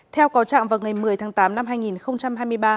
theo cáo trạng vào ngày một mươi tháng tám năm hai nghìn hai mươi ba